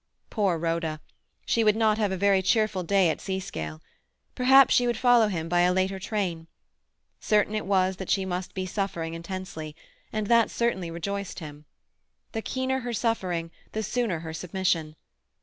Poor Rhoda! She would not have a very cheerful day at Seascale. Perhaps she would follow him by a later train. Certain it was that she must be suffering intensely—and that certainly rejoiced him. The keener her suffering the sooner her submission.